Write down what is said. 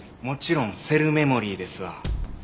もちろんセルメモリーですわ。